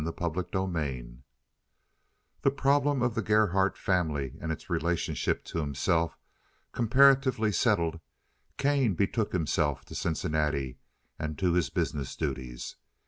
CHAPTER XXIV The problem of the Gerhardt family and its relationship to himself comparatively settled, Kane betook himself to Cincinnati and to his business duties.